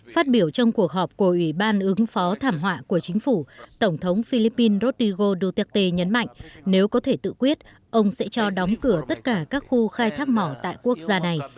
phát biểu trong cuộc họp của ủy ban ứng phó thảm họa của chính phủ tổng thống philippines rodrigo duterte nhấn mạnh nếu có thể tự quyết ông sẽ cho đóng cửa tất cả các khu khai thác mỏ tại quốc gia này